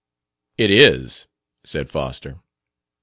"It is," said Foster.